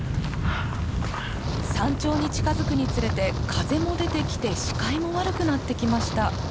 山頂に近づくにつれて風も出てきて視界も悪くなってきました。